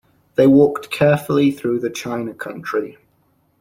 They walked carefully through the china country.